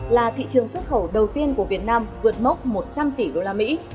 là thị trường xuất khẩu đầu tiên của việt nam vượt mốc một trăm linh tỷ đô la mỹ